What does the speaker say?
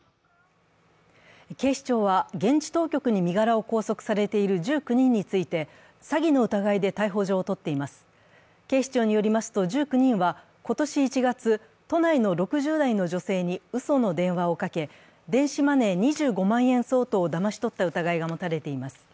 警視庁は現地当局に身柄を拘束されている１９人について警視庁によりますと１９人は今年１月、都内の６０代の女性にうその電話をかけ電子マネー２５万円相当をだまし取った疑いが持たれています。